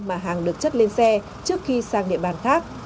mà hàng được chất lên xe trước khi sang địa bàn khác